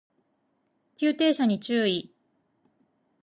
急停車に注意